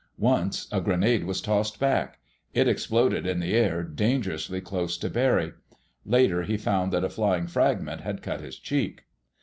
Once a grenade was tossed back. It exploded in the air dangerously close to Barry. Later he found that a flying fragment had cut his cheek.